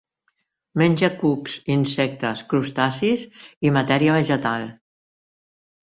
Menja cucs, insectes, crustacis i matèria vegetal.